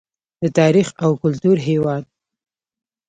د تاریخ او کلتور هیواد.